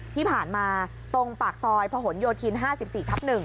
ที่ผ่านมาตรงปากซอยพย๕๔ทับ๑